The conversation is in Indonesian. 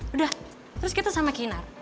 udah terus kita sama kinar